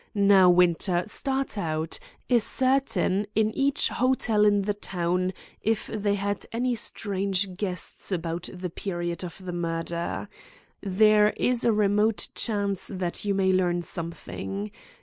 Now, Winter, start out. Ascertain, in each hotel in the town, if they had any strange guests about the period of the murder. There is a remote chance that you may learn something.